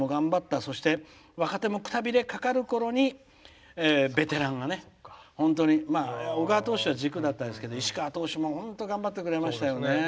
若手もくたびれかかるころにベテランが本当に小川投手が軸でしたけど石川投手も本当に頑張ってくれましたよね。